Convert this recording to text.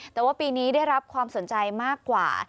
แต่ว่าปีนี้ได้รับความสนใจมากกว่า